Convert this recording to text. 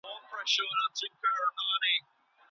که ته په خپل کار کي ډېر جدي نه وې نو بریا ستونزمنه ده.